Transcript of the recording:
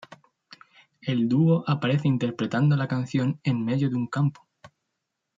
El dúo aparece interpretando la canción en medio de un campo.